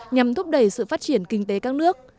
nhằm thúc đẩy sự phát triển kinh tế các nước